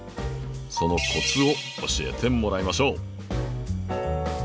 そのコツを教えてもらいましょう。